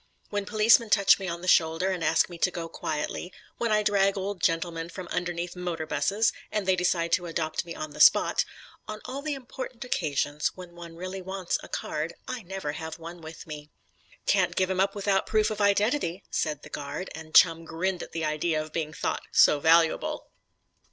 When policemen touch me on the shoulder and ask me to go quietly; when I drag old gentlemen from underneath motor 'buses, and they decide to adopt me on the spot; on all the important occasions when one really wants a card, I never have one with me. "Can't give him up without proof of identity," said the guard, and Chum grinned at the idea of being thought so valuable.